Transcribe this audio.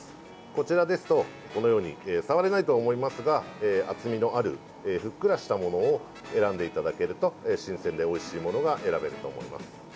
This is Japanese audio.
こちらですとこのように触れないと思いますが厚みのある、ふっくらしたものを選んでいただけると新鮮でおいしいものが選べると思います。